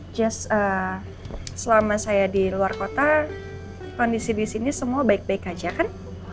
just selama saya di luar kota kondisi di sini semua baik baik aja kan